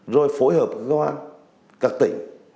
rồi phối hợp các tỉnh